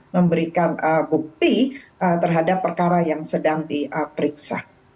memberikan bukti terhadap perkara yang sedang diperiksa